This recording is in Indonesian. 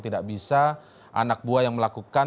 tidak bisa anak buah yang melakukan